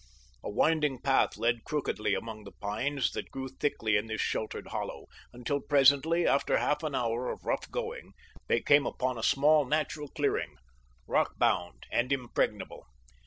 A winding path led crookedly among the pines that grew thickly in this sheltered hollow, until presently, after half an hour of rough going, they came upon a small natural clearing, rock bound and impregnable.